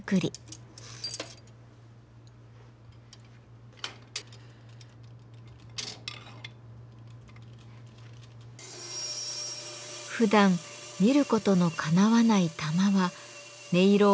ふだん見ることのかなわない玉は音色を左右する鈴の要。